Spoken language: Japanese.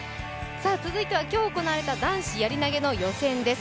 続いては今日行われた男子やり投の予選です。